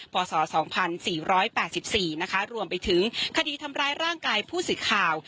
พศ๒๔๘๔นะคะรวมไปถึงคดีทำร้ายร่างกายผู้สื่อข่าว